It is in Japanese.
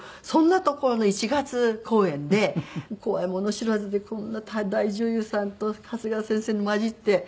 そんなところの１月公演で怖いもの知らずでこんな大女優さんと長谷川先生に交じって。